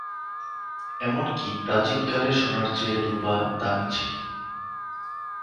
এমনকি প্রাচীনকালে সোনার চেয়ে রুপা দামী ছিল।